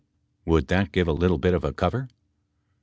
Would that give a little bit of a cover